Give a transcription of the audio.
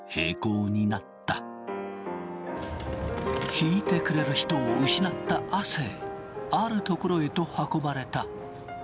弾いてくれる人を失った亜生ある所へと運ばれた。